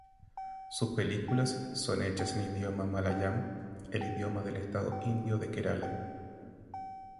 Sus películas son hechas en idioma malayalam, el idioma del estado indio de Kerala.